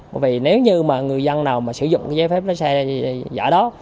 bởi vì nếu như mà người dân nào mà sử dụng cái giấy phép lái xe giả đó